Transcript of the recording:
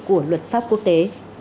của luật pháp quốc tế